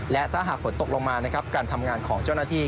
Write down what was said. และถ้าหากฝนตกลงมานะครับการทำงานของเจ้าหน้าที่